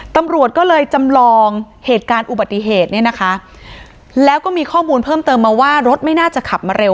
ตำรวจก็เลยจำลองเหตุการณ์อุบัติเหตุเนี่ยนะคะแล้วก็มีข้อมูลเพิ่มเติมมาว่ารถไม่น่าจะขับมาเร็ว